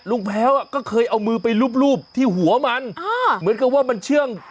แพ้วก็เคยเอามือไปรูปที่หัวมันเหมือนกับว่ามันเชื่อง